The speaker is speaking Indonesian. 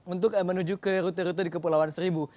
untuk menuju ke rute rute di kepulauan seribu